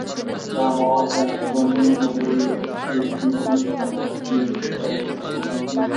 دا مواد د نفرونونو له ټیوبونو څخه د لګنچې تش ځای کې را ټولېږي.